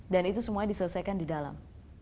dan itu semuanya diselesaikan di dalam